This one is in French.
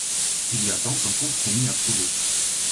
Il y a donc un compromis à trouver.